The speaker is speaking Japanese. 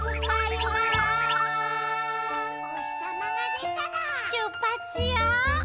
「おひさまがでたらしゅっぱしよう！」